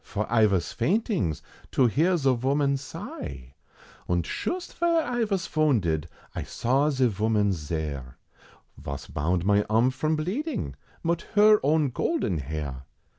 for I vos faintings to hear ze voman sigh! Und shust vere I vas vounded, I saw ze voman's zere, Vos bound mine arm from bleeding, mit her own golden hair!